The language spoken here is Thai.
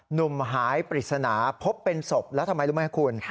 หนุ่มหายปริศนาพบเป็นศพแล้วทำไมรู้ไหมคุณ